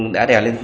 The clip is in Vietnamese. đã đè lên